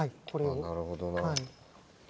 なるほどな。